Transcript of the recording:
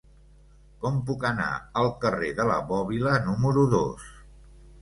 Com puc anar al carrer de la Bòbila número dos?